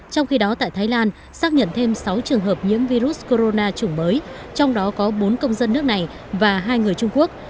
trong khi đó tại thái lan xác nhận thêm sáu trường hợp nhiễm virus corona chủng mới trong đó có bốn công dân nước này và hai người trung quốc